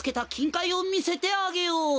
かいをみせてあげよう。